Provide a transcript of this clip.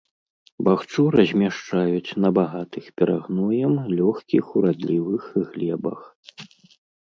Бахчу размяшчаюць на багатых перагноем лёгкіх урадлівых глебах.